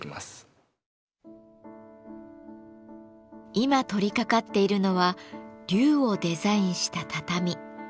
今取りかかっているのは龍をデザインした畳。